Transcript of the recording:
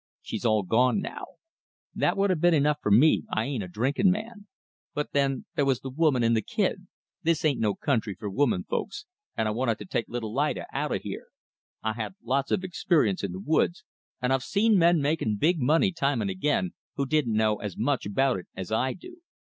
She's all gone now. That'd have been enough for me I ain't a drinkin' man. But then there was the woman and the kid. This ain't no country for woman folks, and I wanted t' take little Lida out o' here. I had lots of experience in the woods, and I've seen men make big money time and again, who didn't know as much about it as I do.